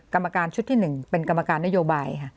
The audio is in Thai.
กรรมการชุดที่หนึ่งเป็นกรรมการนโยบาย